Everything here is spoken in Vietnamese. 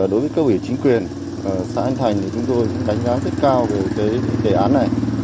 đối với cơ quỷ chính quyền xã yên thành chúng tôi đánh giá rất cao về đề án này